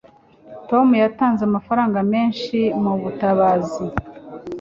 Tom yatanze amafaranga menshi mubutabazi.